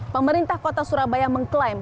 pemerintah kota surabaya mengklaim